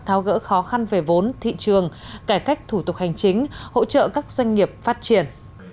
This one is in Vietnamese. tháo gỡ khó khăn về vốn thị trường cải cách thủ tục hành chính hỗ trợ các doanh nghiệp phát triển